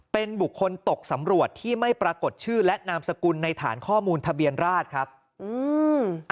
เป็นบุคคลตกสำรวจที่ไม่ปรากฏชื่อและนามสกุลในฐานข้อมูลทะเบียนราชครับอืม